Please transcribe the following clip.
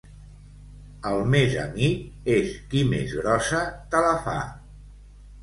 El més amic és qui més grossa te la fa.